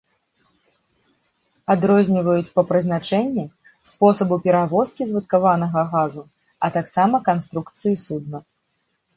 Адрозніваюць па прызначэнні, спосабу перавозкі звадкаванага газу, а таксама канструкцыі судна.